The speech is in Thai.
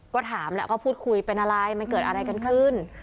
ก็ถามแล้วก็พูดคุยเป็นอะไรมันเกิดอะไรกันขึ้น